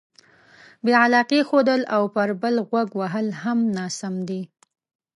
بې علاقې ښودل او پر بل غوږ وهل هم ناسم دي.